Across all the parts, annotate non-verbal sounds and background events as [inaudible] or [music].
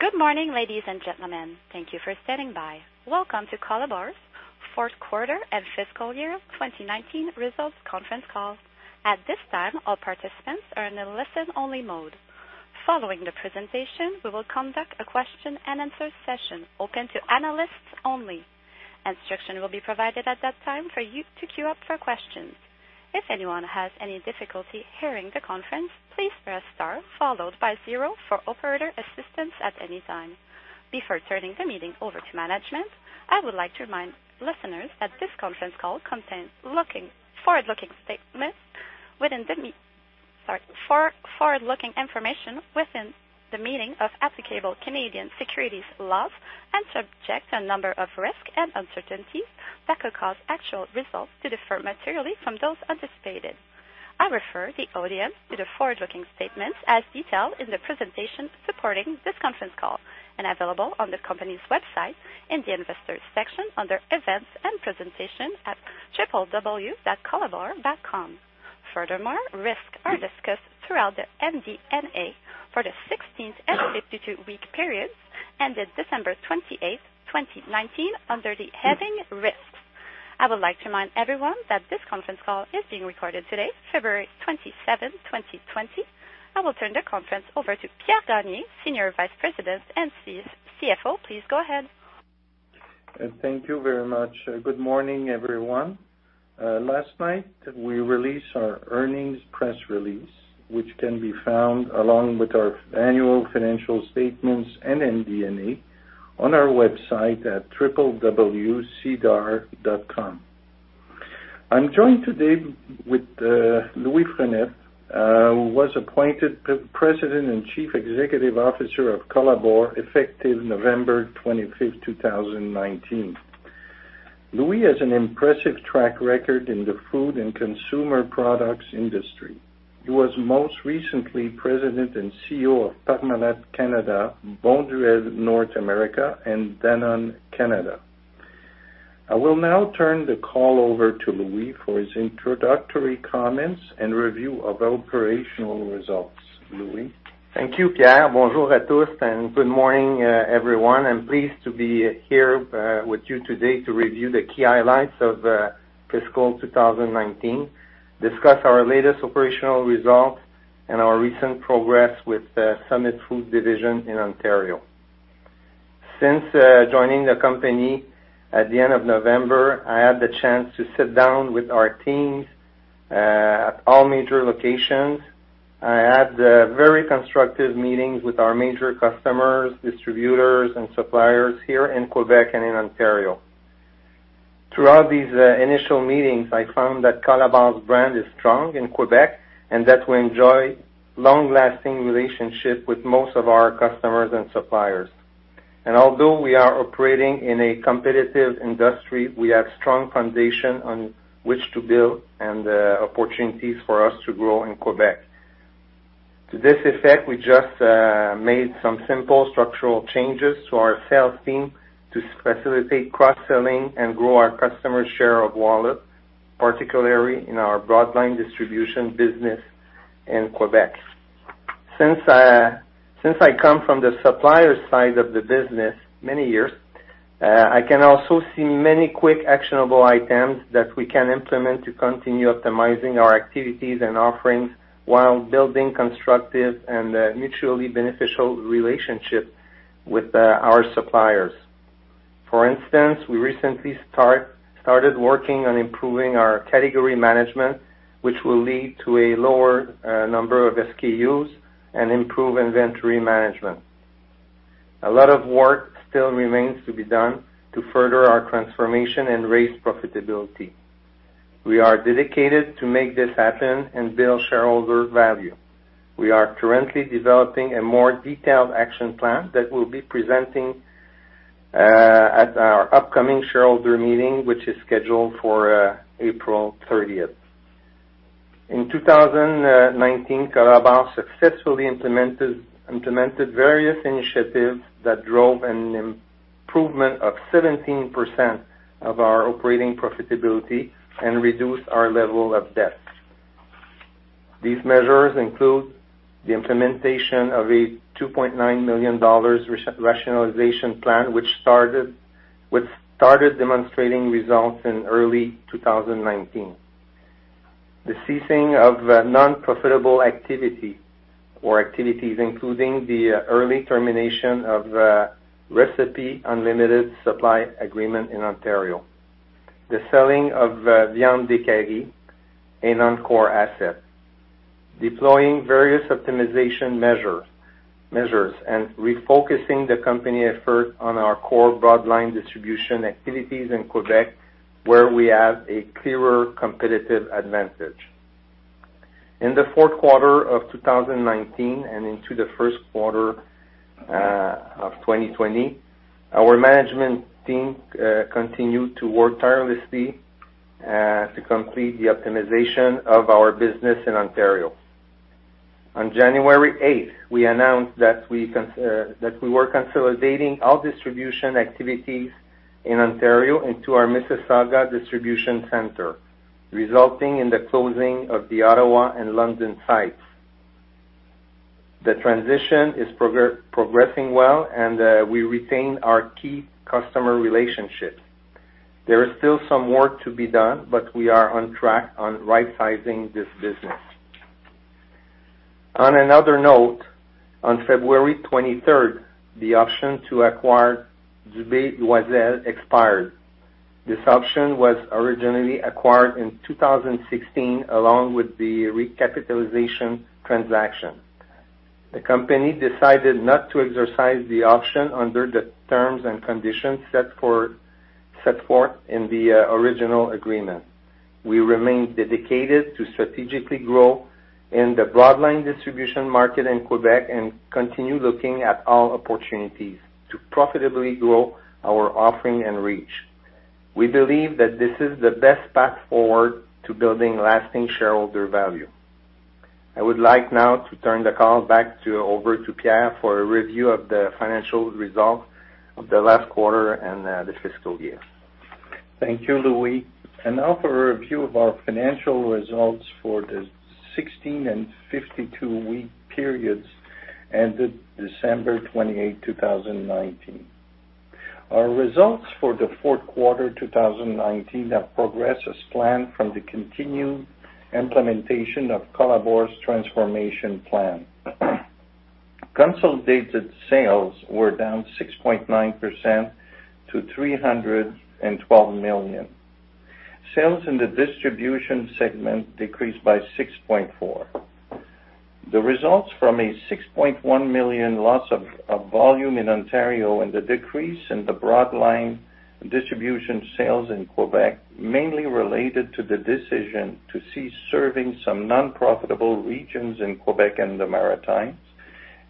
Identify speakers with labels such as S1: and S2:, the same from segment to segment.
S1: Good morning, ladies and gentlemen. Thank you for standing by. Welcome to Colabor's fourth quarter and fiscal year 2019 results conference call. At this time, all participants are in a listen-only mode. Following the presentation, we will conduct a question and answer session open to analysts only. Instructions will be provided at that time for you to queue up for questions. If anyone has any difficulty hearing the conference, please press star followed by zero for operator assistance at any time. Before turning the meeting over to management, I would like to remind listeners that this conference call contains forward-looking information within the meaning of applicable Canadian securities laws and subject to a number of risks and uncertainties that could cause actual results to differ materially from those anticipated. I refer the audience to the forward-looking statements as detailed in the presentation supporting this conference call and available on the company's website in the Investors section under Events and Presentation at www.colabor.com. Furthermore, risks are discussed throughout the MD&A for the 16- and 52-week period ended December 28th, 2019, under the heading Risks. I would like to remind everyone that this conference call is being recorded today, February 27th, 2020. I will turn the conference over to Pierre Gagné, Senior Vice President and CFO. Please go ahead.
S2: Thank you very much. Good morning, everyone. Last night, we released our earnings press release, which can be found along with our annual financial statements and MD&A on our website at www.sedarplus.ca. I'm joined today with Louis Frenette, who was appointed President and Chief Executive Officer of Colabor effective November 25th, 2019. Louis has an impressive track record in the food and consumer products industry. He was most recently President and CEO of Parmalat Canada, Bonduelle North America, and Danone Canada. I will now turn the call over to Louis for his introductory comments and review of operational results. Louis?
S3: Thank you, Pierre. Good morning, everyone. I'm pleased to be here with you today to review the key highlights of fiscal 2019, discuss our latest operational results, and our recent progress with the Summit Foods division in Ontario. Since joining the company at the end of November, I had the chance to sit down with our teams at all major locations. I had very constructive meetings with our major customers, distributors, and suppliers here in Quebec and in Ontario. Throughout these initial meetings, I found that Colabor's brand is strong in Quebec and that we enjoy long-lasting relationships with most of our customers and suppliers. Although we are operating in a competitive industry, we have strong foundation on which to build and opportunities for us to grow in Quebec. To this effect, we just made some simple structural changes to our sales team to facilitate cross-selling and grow our customer share of wallet, particularly in our broad line distribution business in Quebec. Since I come from the supplier side of the business many years, I can also see many quick actionable items that we can implement to continue optimizing our activities and offerings while building constructive and mutually beneficial relationship with our suppliers. For instance, we recently started working on improving our category management, which will lead to a lower number of SKUs and improve inventory management. A lot of work still remains to be done to further our transformation and raise profitability. We are dedicated to make this happen and build shareholder value. We are currently developing a more detailed action plan that we'll be presenting at our upcoming shareholder meeting, which is scheduled for April 30th. In 2019, Colabor successfully implemented various initiatives that drove an improvement of 17% of our operating profitability and reduced our level of debt. These measures include the implementation of a 2.9 million dollars rationalization plan, which started demonstrating results in early 2019. The ceasing of non-profitable activity or activities, including the early termination of Recipe Unlimited supply agreement in Ontario. The selling of Viandes Décarie, a non-core asset. Deploying various optimization measures and refocusing the company effort on our core broad line distribution activities in Quebec, where we have a clearer competitive advantage. In the fourth quarter of 2019 and into the first quarter of 2020, our management team continued to work tirelessly to complete the optimization of our business in Ontario. On January 8th, we announced that we were consolidating all distribution activities in Ontario into our Mississauga distribution center. Resulting in the closing of the Ottawa and London sites. The transition is progressing well, and we retain our key customer relationships. There is still some work to be done, but we are on track on rightsizing this business. On another note, on February 23rd, the option to acquire Dubé & Loiselle expired. This option was originally acquired in 2016, along with the recapitalization transaction. The company decided not to exercise the option under the terms and conditions set forth in the original agreement. We remain dedicated to strategically grow in the broad line distribution market in Quebec and continue looking at all opportunities to profitably grow our offering and reach. We believe that this is the best path forward to building lasting shareholder value. I would like now to turn the call back over to Pierre for a review of the financial results of the last quarter and the fiscal year.
S2: Thank you, Louis. Now for a review of our financial results for the 16 and 52-week periods ended December 28, 2019. Our results for the fourth quarter 2019 have progressed as planned from the continued implementation of Colabor's transformation plan. Consolidated sales were down 6.9% to 312 million. Sales in the distribution segment decreased by 6.4%. The results from a 6.1 million loss of volume in Ontario and the decrease in the broad line distribution sales in Quebec, mainly related to the decision to cease serving some non-profitable regions in Quebec and the Maritimes,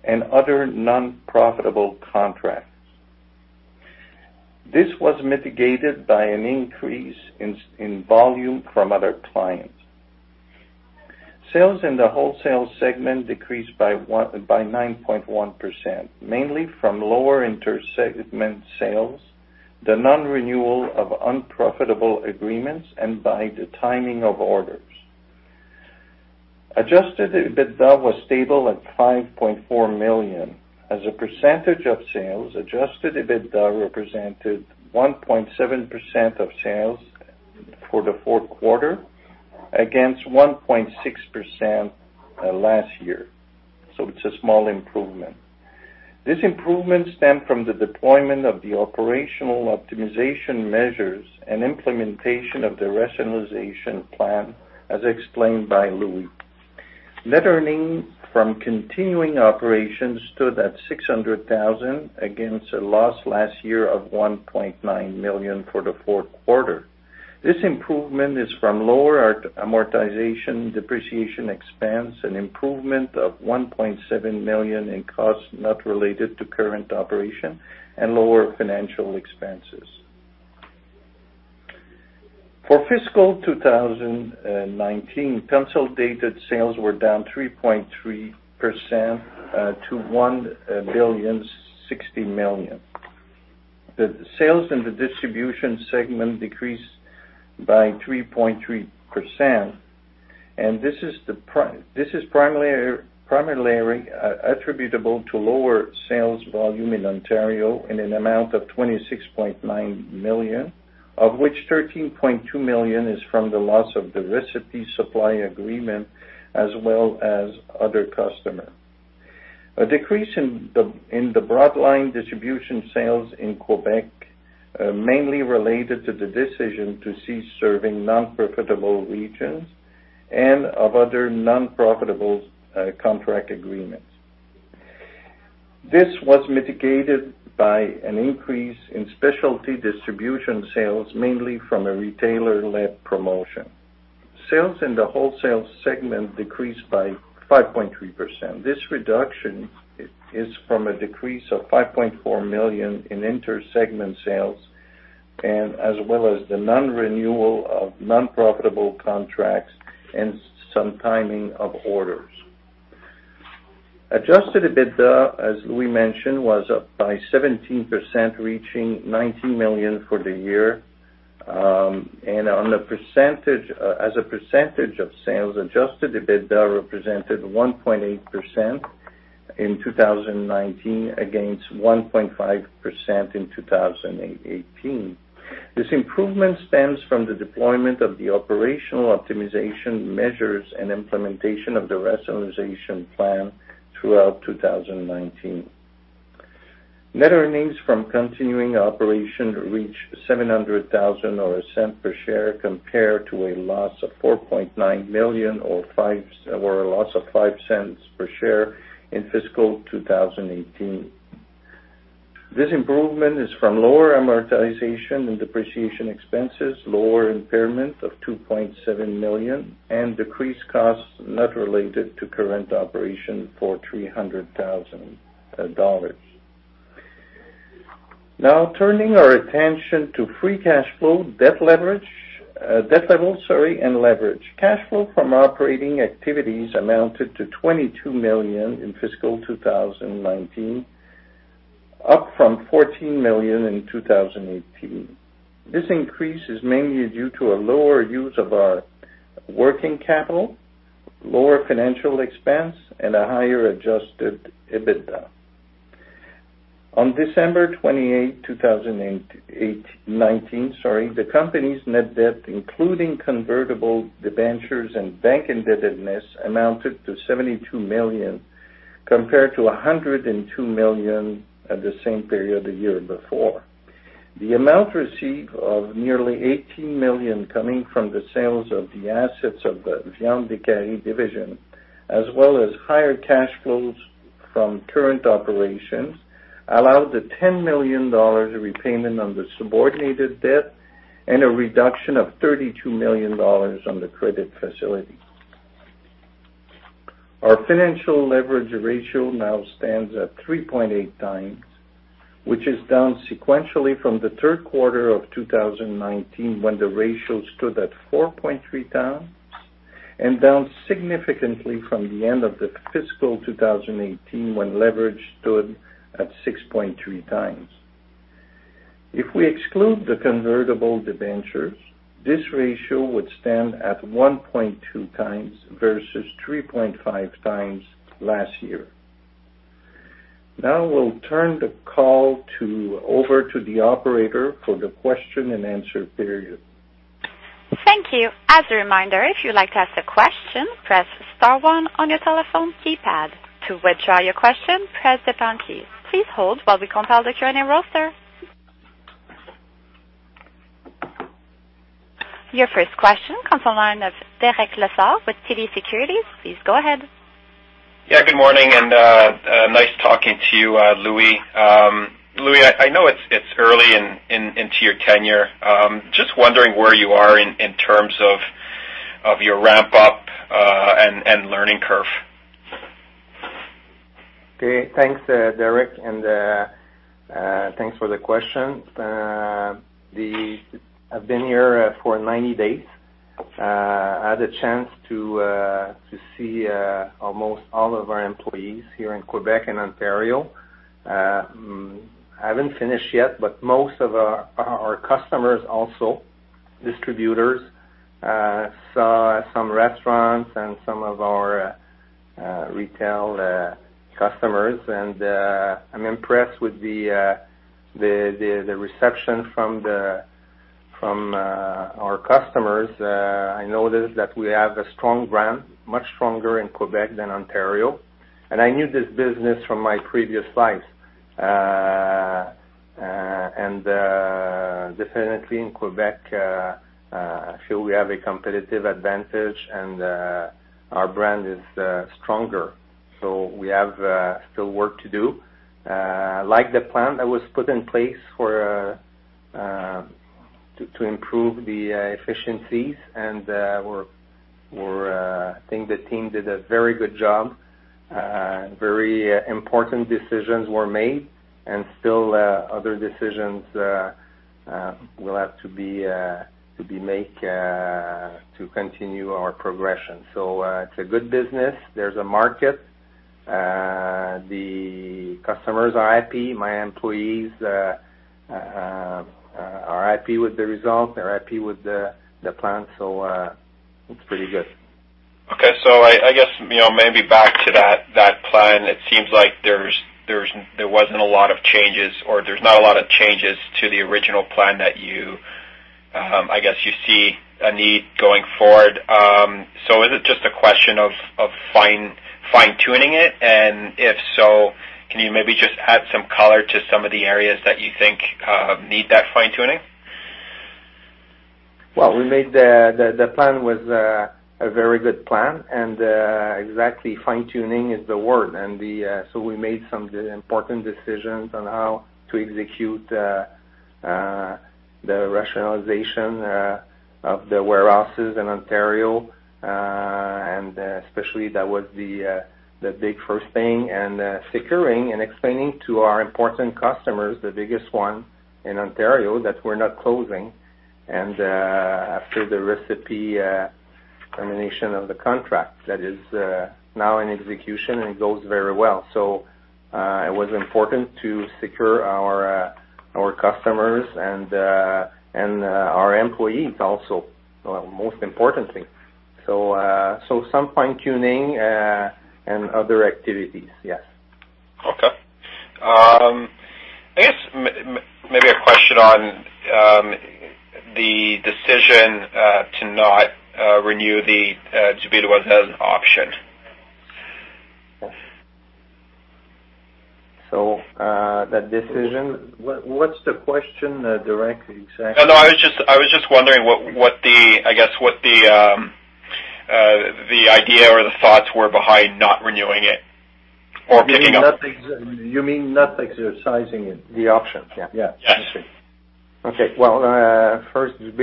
S2: and other non-profitable contracts. This was mitigated by an increase in volume from other clients. Sales in the wholesale segment decreased by 9.1%, mainly from lower inter-segment sales, the non-renewal of unprofitable agreements, and by the timing of orders. Adjusted EBITDA was stable at 5.4 million. As a percentage of sales, adjusted EBITDA represented 1.7% of sales for the fourth quarter against 1.6% last year. It's a small improvement. This improvement stemmed from the deployment of the operational optimization measures and implementation of the rationalization plan, as explained by Louis. Net earnings from continuing operations stood at 600,000 against a loss last year of 1.9 million for the fourth quarter. This improvement is from lower amortization, depreciation expense, an improvement of 1.7 million in costs not related to current operation, and lower financial expenses. For fiscal 2019, consolidated sales were down 3.3% to 1.06 billion. The sales in the distribution segment decreased by 3.3%, and this is primarily attributable to lower sales volume in Ontario in an amount of 26.9 million, of which 13.2 million is from the loss of the Recipe supply agreement as well as other customer. A decrease in the broad line distribution sales in Quebec, mainly related to the decision to cease serving non-profitable regions and of other non-profitable contract agreements. This was mitigated by an increase in specialty distribution sales, mainly from a retailer-led promotion. Sales in the wholesale segment decreased by 5.3%. This reduction is from a decrease of 5.4 million in inter-segment sales, as well as the non-renewal of non-profitable contracts and some timing of orders. Adjusted EBITDA, as we mentioned, was up by 17%, reaching 19 million for the year. As a percentage of sales, adjusted EBITDA represented 1.8% in 2019 against 1.5% in 2018. This improvement stems from the deployment of the operational optimization measures and implementation of the rationalization plan throughout 2019. Net earnings from continuing operation reached 700,000 or CAD 0.01 per share compared to a loss of 4.9 million or a loss of 0.05 per share in fiscal 2018. This improvement is from lower amortization and depreciation expenses, lower impairment of 2.7 million, and decreased costs not related to current operation for 300,000 dollars. Now turning our attention to free cash flow, debt levels, and leverage. Cash flow from operating activities amounted to 22 million in fiscal 2019. Up from 14 million in 2018. This increase is mainly due to a lower use of our working capital, lower financial expense, and a higher adjusted EBITDA. On December 28th, 2019, the company's net debt, including convertible debentures and bank indebtedness, amounted to 72 million, compared to 102 million at the same period the year before. The amount received of nearly 18 million coming from the sales of the assets of the Viandes Décarie division, as well as higher cash flows from current operations, allowed the 10 million dollars repayment on the subordinated debt and a reduction of 32 million dollars on the credit facility. Our financial leverage ratio now stands at 3.8x, which is down sequentially from the third quarter of 2019, when the ratio stood at 4.3x, and down significantly from the end of the fiscal 2018, when leverage stood at 6.3x. If we exclude the convertible debentures, this ratio would stand at 1.2x versus 3.5x last year. Now I will turn the call over to the operator for the question and answer period.
S1: Thank you. As a reminder, if you'd like to ask a question, press star one on your telephone keypad. To withdraw your question, press the pound key. Please hold while we compile the Q&A roster. Your first question comes from the line of Derek Lessard with TD Securities. Please go ahead.
S4: Yeah, good morning. Nice talking to you, Louis. Louis, I know it's early into your tenure. Just wondering where you are in terms of your ramp-up and learning curve.
S3: Okay. Thanks, Derek, and thanks for the question. I've been here for 90 days. I had a chance to see almost all of our employees here in Quebec and Ontario. I haven't finished yet, but most of our customers, also distributors, saw some restaurants and some of our retail customers. I'm impressed with the reception from our customers. I noticed that we have a strong brand, much stronger in Quebec than Ontario. I knew this business from my previous life. Definitely in Quebec, I feel we have a competitive advantage, and our brand is stronger. We have still work to do. I like the plan that was put in place to improve the efficiencies, and I think the team did a very good job. Very important decisions were made, and still other decisions will have to be made to continue our progression. It's a good business. There's a market. The customers are happy. My employees are happy with the results, they're happy with the plan. It's pretty good.
S4: Okay. I guess, maybe back to that plan, it seems like there wasn't a lot of changes, or there's not a lot of changes to the original plan that you see a need going forward. Is it just a question of fine-tuning it, and if so, can you maybe just add some color to some of the areas that you think need that fine-tuning?
S3: Well, the plan was a very good plan, and exactly fine-tuning is the word. We made some important decisions on how to execute the rationalization of the warehouses in Ontario, and especially that was the big first thing. Securing and explaining to our important customers, the biggest one in Ontario, that we're not closing. After the Recipe termination of the contract that is now in execution, and it goes very well. It was important to secure our customers and our employees also, most importantly. Some fine-tuning, and other activities, yes.
S4: Okay. I guess maybe a question on the decision to not renew the [audio distortion] as an option.
S3: What's the question, Derek, exactly?
S4: No, I was just wondering what the idea or the thoughts were behind not renewing it or picking up.
S3: You mean not exercising it? The option. Yeah.
S4: Yes.
S3: I see. Okay. Well, first, is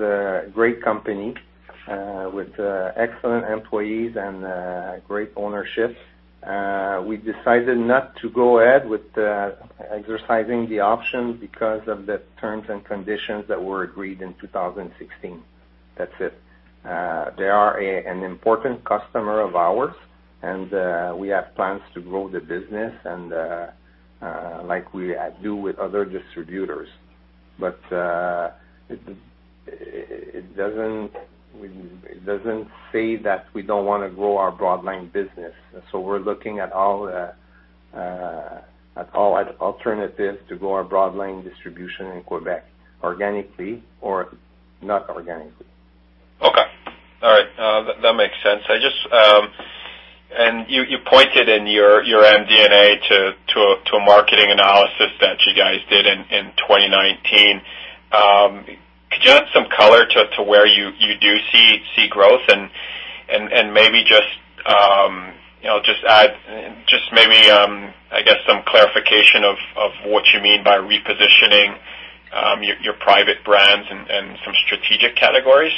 S3: a great company with excellent employees and great ownership. We decided not to go ahead with exercising the option because of the terms and conditions that were agreed in 2016. That's it. They are an important customer of ours, and we have plans to grow the business, like we do with other distributors. It doesn't say that we don't want to grow our broad line business. We're looking at all alternatives to grow our broad line distribution in Quebec, organically or not organically.
S4: Okay. All right. That makes sense. You pointed in your MD&A to a marketing analysis that you guys did in 2019. Could you add some color to where you do see growth and maybe just add, I guess some clarification of what you mean by repositioning your private brands and some strategic categories?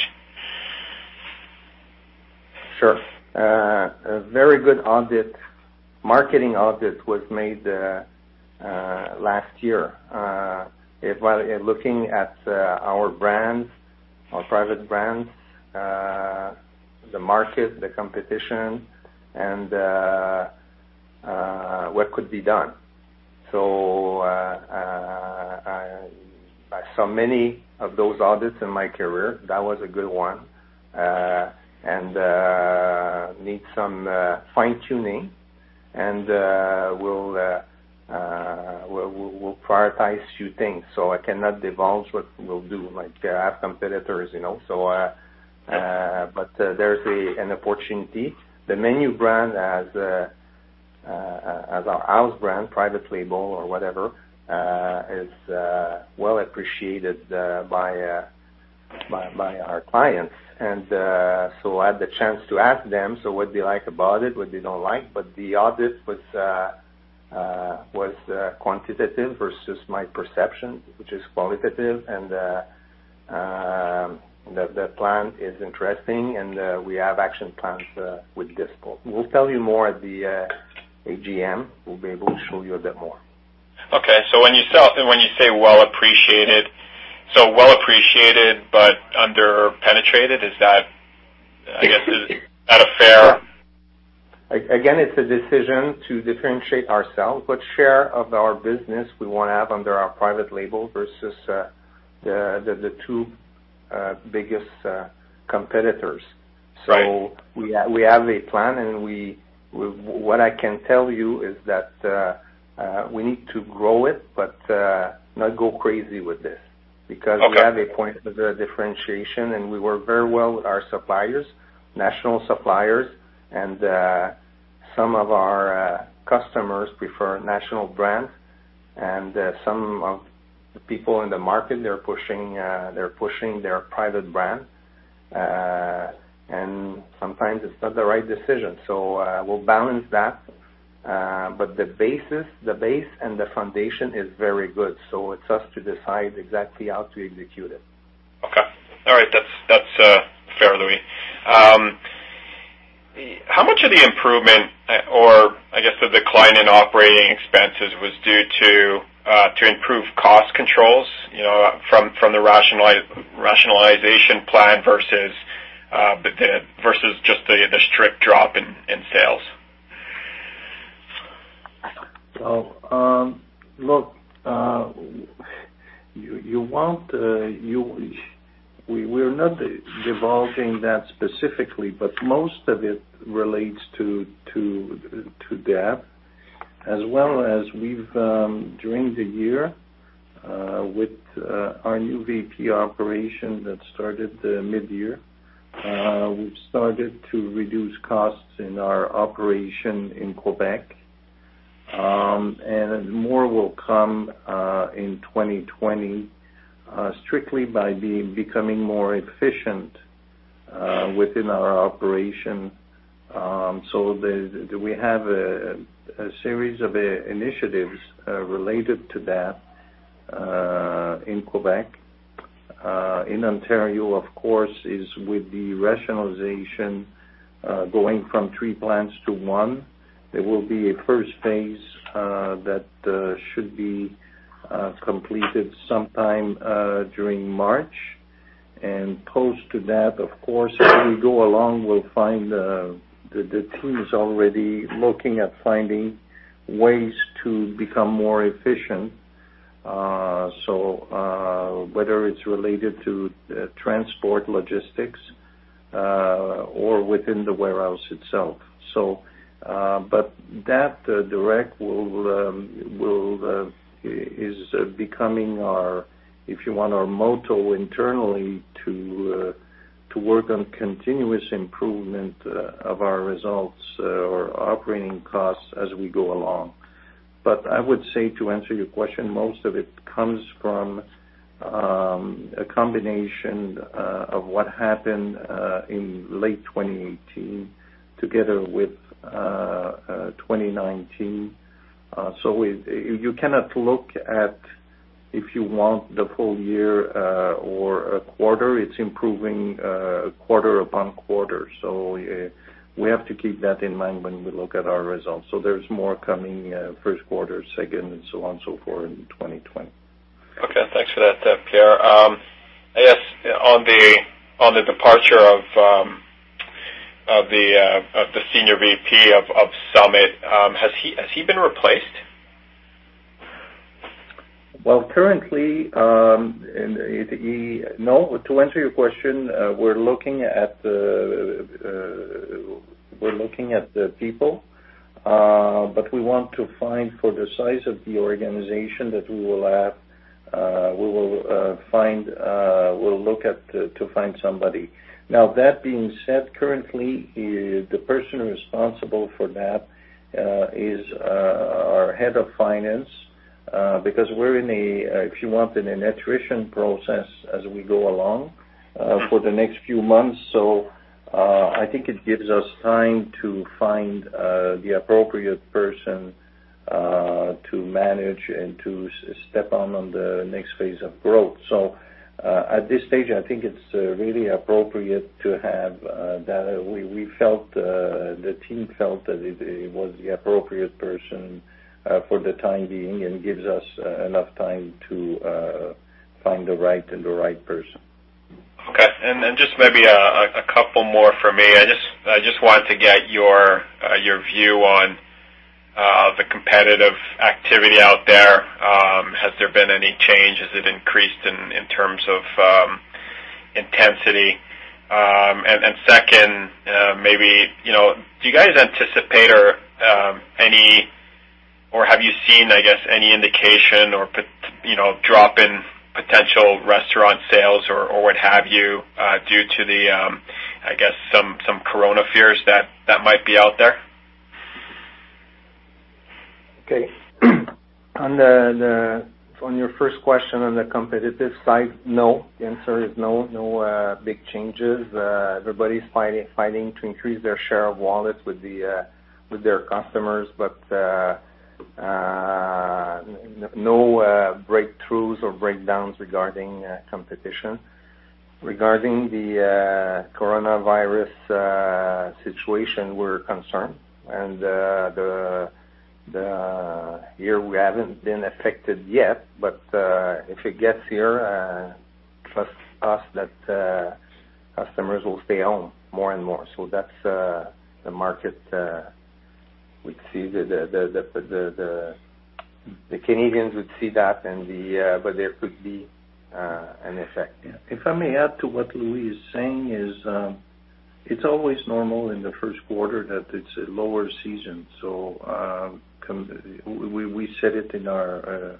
S3: Sure. A very good marketing audit was made last year. While looking at our brands, our private brands, the market, the competition, and what could be done. I saw many of those audits in my career. That was a good one. Need some fine-tuning, and we'll prioritize a few things. I cannot divulge what we'll do. There are competitors. There's an opportunity. The Menu brand as our house brand, private label or whatever, is well appreciated by our clients. I had the chance to ask them what they like about it, what they don't like. The audit was quantitative versus my perception, which is qualitative, and the plan is interesting, and we have action plans with this. We'll tell you more at the AGM. We'll be able to show you a bit more.
S4: Okay. When you say well appreciated, but under-penetrated, I guess, is that a fair?
S3: It's a decision to differentiate ourselves, what share of our business we want to have under our private label versus the two biggest competitors.
S4: Right.
S3: We have a plan, and what I can tell you is that we need to grow it, but not go crazy with this.
S4: Okay
S3: We have a point of differentiation, and we work very well with our suppliers, national suppliers. Some of our customers prefer national brands, and some of the people in the market, they're pushing their private brand. Sometimes it's not the right decision. We'll balance that. The base and the foundation is very good. It's up to decide exactly how to execute it.
S4: Okay. All right. That's fair, Louis. How much of the improvement or, I guess the decline in operating expenses was due to improve cost controls from the rationalization plan versus just the strict drop in sales?
S2: Look, we're not divulging that specifically, but most of it relates to, [audio distortion] as well as during the year, with our new VP operation that started mid-year. We've started to reduce costs in our operation in Quebec. More will come in 2020 strictly by becoming more efficient within our operation. We have a series of initiatives related to that in Quebec. In Ontario, of course, is with the rationalization going from three plants to one. There will be a first phase that should be completed sometime during March. Post that, of course, as we go along, the team is already looking at finding ways to become more efficient, whether it's related to transport logistics, or within the warehouse itself. That direct is becoming our, if you want, our motto internally to work on continuous improvement of our results or operating costs as we go along. I would say to answer your question, most of it comes from a combination of what happened in late 2018 together with 2019. You cannot look at, if you want the full year or a quarter. It's improving quarter upon quarter. We have to keep that in mind when we look at our results. There's more coming first quarter, second, and so on, so forth in 2020.
S4: Okay. Thanks for that, Pierre. I guess, on the departure of the senior VP of Summit. Has he been replaced?
S2: Well, currently, no. To answer your question, we're looking at the people, but we want to find for the size of the organization that we will look at to find somebody. That being said, currently, the person responsible for that is our head of finance. We're in a, if you want, in an attrition process as we go along for the next few months. I think it gives us time to find the appropriate person to manage and to step on the next phase of growth. At this stage, I think it's really appropriate to have that. The team felt that it was the appropriate person for the time being and gives us enough time to find the right person.
S4: Okay. Just maybe a couple more from me. I just want to get your view on the competitive activity out there. Has there been any change? Has it increased in terms of intensity? Second, do you guys anticipate or have you seen, I guess, any indication or drop in potential restaurant sales or what have you, due to the, I guess, some corona fears that might be out there?
S3: Okay. On your first question on the competitive side, no. The answer is no. No big changes. Everybody's fighting to increase their share of wallet with their customers. No breakthroughs or breakdowns regarding competition. Regarding the coronavirus situation, we're concerned. Here, we haven't been affected yet, but if it gets here, trust us that customers will stay home more and more. That's the market. The Canadians would see that, but there could be an effect.
S2: If I may add to what Louis is saying is, it's always normal in the first quarter that it's a lower season. We said it in our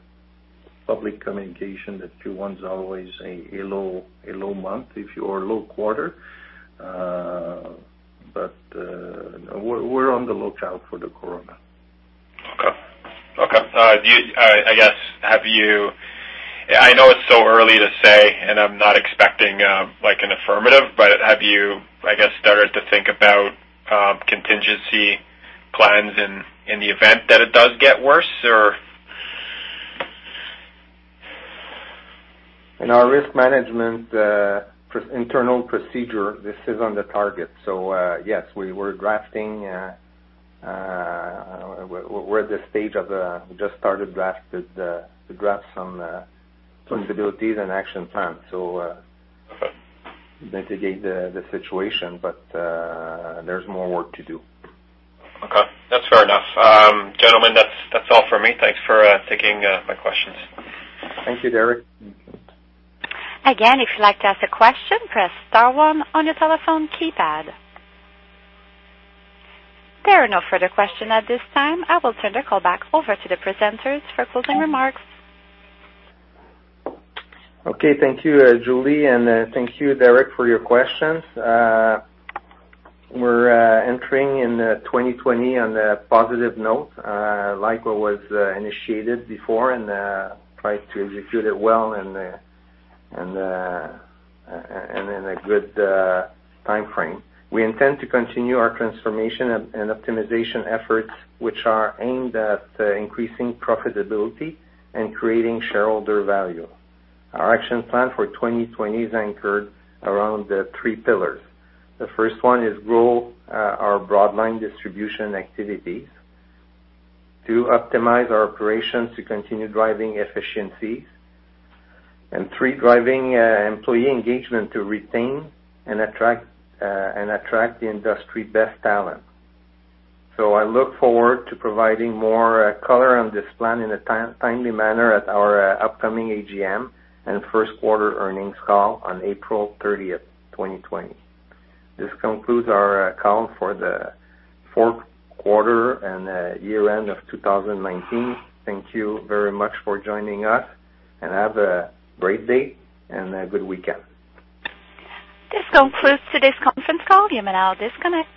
S2: public communication that Q1 is always a low month, or a low quarter. We're on the lookout for the corona.
S4: Okay. I know it's so early to say, and I'm not expecting an affirmative, but have you, I guess, started to think about contingency plans in the event that it does get worse, or?
S3: In our risk management internal procedure, this is on the target. Yes. We're at the stage of We just started to draft some sensibilities and action plans to.
S4: Okay
S3: mitigate the situation, but there's more work to do.
S4: Okay. That's fair enough. Gentlemen, that's all from me. Thanks for taking my questions.
S3: Thank you, Derek.
S1: Again, if you'd like to ask a question, press star one on your telephone keypad. There are no further question at this time. I will turn the call back over to the presenters for closing remarks.
S3: Okay. Thank you, Julie, and thank you, Derek, for your questions. We're entering in 2020 on a positive note, like what was initiated before, and try to execute it well and in a good timeframe. We intend to continue our transformation and optimization efforts, which are aimed at increasing profitability and creating shareholder value. Our action plan for 2020 is anchored around three pillars. The first one is grow our broad line distribution activities. Two, optimize our operations to continue driving efficiencies. Three, driving employee engagement to retain and attract the industry best talent. I look forward to providing more color on this plan in a timely manner at our upcoming AGM and first quarter earnings call on April 30th, 2020. This concludes our call for the fourth quarter and year-end of 2019. Thank you very much for joining us, and have a great day and a good weekend.
S1: This concludes today's conference call. You may now disconnect.